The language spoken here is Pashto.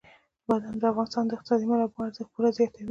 بادام د افغانستان د اقتصادي منابعو ارزښت پوره زیاتوي.